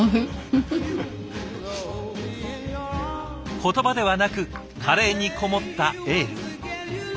言葉ではなくカレーにこもったエール。